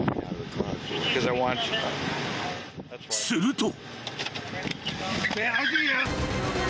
［すると］